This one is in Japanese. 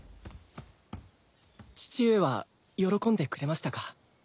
父上は喜んでくれましたか？